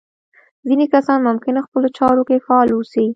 ځينې کسان ممکن خپلو چارو کې فعال واوسي.